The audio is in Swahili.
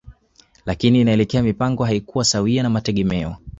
Lakini inaelekea mipango haikuwa sawia na mategemeo